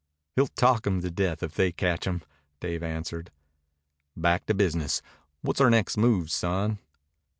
"He'll talk them to death if they catch him," Dave answered. "Back to business. What's our next move, son?"